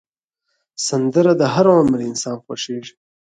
سندره د هر عمر انسان خوښېږي